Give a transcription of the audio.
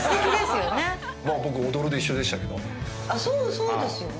そうですよね。